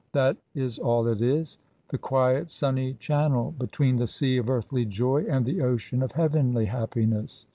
That is all it is the quiet, sunny channel between the sea of earthly joy and the ocean of heavenly happiness.